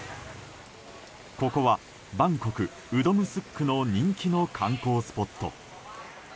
ここはバンコク・ウドムスックの人気の観光スポット。